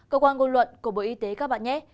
cơ quan ngôn luận của bộ y tế các bạn nhé